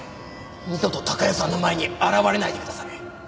二度と貴代さんの前に現れないでください。